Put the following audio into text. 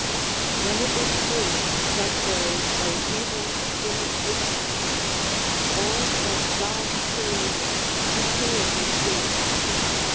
Then it is proved that there is no evil in existence; all that God created, He created good.